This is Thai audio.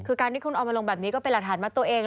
คือการที่คุณเอามาลงแบบนี้ก็เป็นหลักฐานมัดตัวเอง